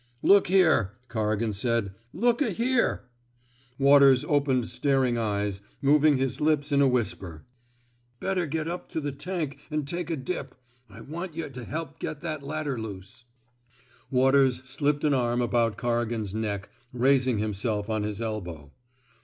Look here, Corrigan said. Look a here —*' Waters opened staring eyes, moving his lips in a whisper. *^ Better get up to the tank an* take a 208 TRAINING '' SALLY '' WATERS dip. I want yuh to help get that ladder loose/* Waters slipped an arm about Corrigan's neck, raising himself on his elbow.